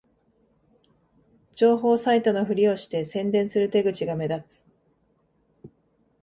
情報サイトのふりをして宣伝する手口が目立つ